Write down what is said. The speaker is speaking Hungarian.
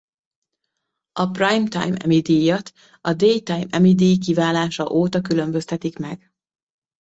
A Primetime Emmy-díjat a Daytime Emmy-díj kiválása óta különböztetik meg.